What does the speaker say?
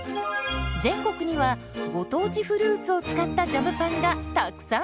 全国にはご当地フルーツを使ったジャムパンがたくさん！